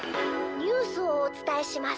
「ニュースをおつたえします。